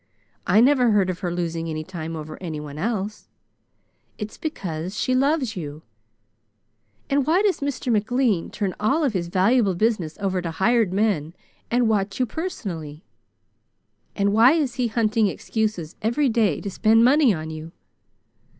I never heard of her losing any time over anyone else. It's because she loves you. And why does Mr. McLean turn all of his valuable business over to hired men and watch you personally? And why is he hunting excuses every day to spend money on you?